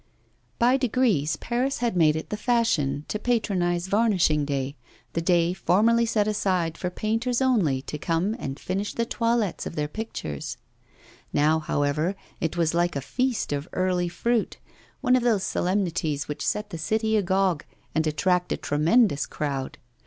By degrees Paris had made it the fashion to patronise 'varnishing day' that day formerly set aside for painters only to come and finish the toilets of their pictures. Now, however, it was like a feast of early fruit, one of those solemnities which set the city agog and attract a tremendous crowd.